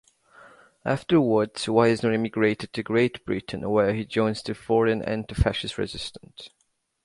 Afterwards Wiesner emigrated to Great Britain where he joins the foreign anti-fascist resistance.